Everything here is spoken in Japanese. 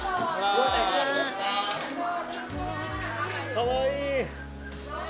かわいい！